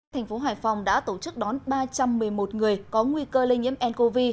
thành phố hải phòng đã tổ chức đón ba trăm một mươi một người có nguy cơ lây nhiễm ncov